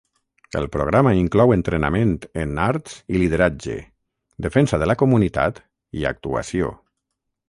El programa inclou entrenament en arts i lideratge, defensa de la comunitat i actuació.